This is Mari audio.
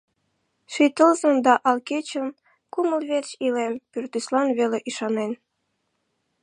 Ший тылзын да ал кечын кумыл верч илем пӱртӱслан веле ӱшанен.